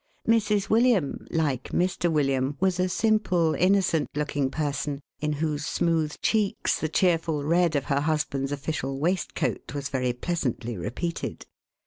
Mrs. William, like Mr. William, was a simple, innocent looking person, in whose smooth cheeks the cheerful red of her husband's official waistcoat was very pleasantly repeated.